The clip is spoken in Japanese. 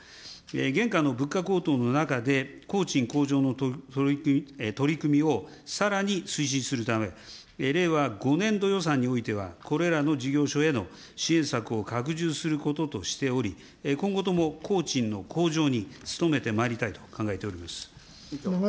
現下の物価高騰の中で工賃向上の取り組みを、さらに推進するため、令和５年度予算においては、これらの事業所への支援策を拡充することとしており、今後とも工賃の向上に努めてまいりたいと考えております。